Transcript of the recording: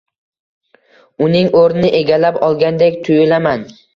Uning oʻrnini egallab olgandek tuyulaman.